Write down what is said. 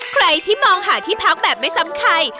ใครที่มองหาที่พักแบบไม่ซ้ำใคร